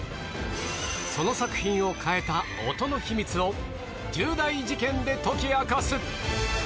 その作品を変えた音の秘密を重大事件で解き明かす。